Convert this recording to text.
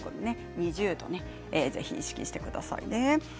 ２０度をぜひ意識してくださいね。